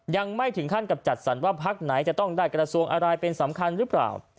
ยังไม่ถึงขั้นกับจัดสรรว่าพักไหนจะต้องได้กระทรวงอะไรเป็นสำคัญหรือเปล่า